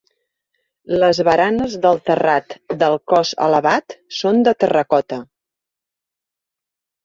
Les baranes del terrat del cos elevat són de terracota.